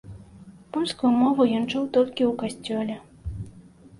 Польскую мову ён чуў толькі ў касцёле.